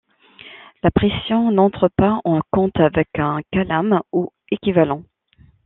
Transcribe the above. La pression n’entre pas en compte avec un calame ou équivalent.